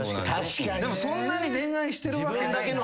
でもそんなに恋愛してるわけないんですよ。